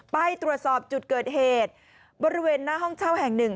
ไปตรวจสอบจุดเกิดเหตุบริเวณหน้าห้องเช่าแห่งหนึ่ง